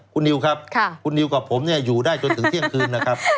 คุณนิวครับคุณนิวกับผมเนี่ยอยู่ได้จนถึงเที่ยงคืนนะครับ